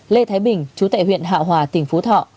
lê thái bình chú tại huyện hạ hòa tỉnh phú thọ